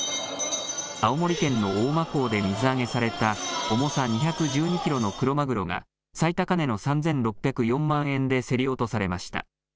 青森県の大間港で水揚げされた重さ２１２キロのクロマグロが最高値の３６０４万円で競り落とされました。